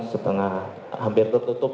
setengah hampir tertutup